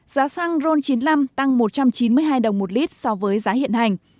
giá xăng ron chín mươi năm tăng một trăm chín mươi hai đồng một lít so với giá hiện hành